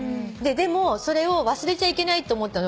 でもそれを忘れちゃいけないと思ったの。